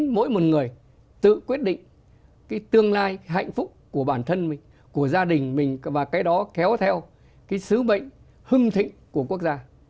mỗi một người tự quyết định cái tương lai hạnh phúc của bản thân mình của gia đình mình và cái đó kéo theo cái sứ mệnh hưng thịnh của quốc gia